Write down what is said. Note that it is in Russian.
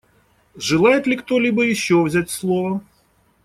Желает ли кто-либо еще взять слово?